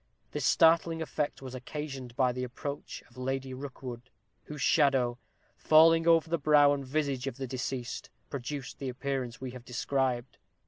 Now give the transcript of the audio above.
This startling effect was occasioned by the approach of Lady Rookwood, whose shadow, falling over the brow and visage of the deceased, produced the appearance we have described.